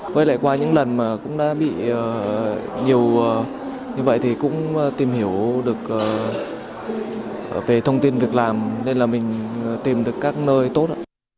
với lại qua những lần mà cũng đã bị nhiều như vậy thì cũng tìm hiểu được về thông tin việc làm nên là mình tìm được các nơi tốt